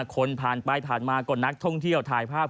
คนผ่านไปผ่านมาก็นักท่องเที่ยวถ่ายภาพ